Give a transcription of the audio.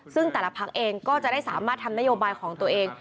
ซึ่งแต่ละพักเองก็จะได้สามารถทำนโยบายของตัวเอง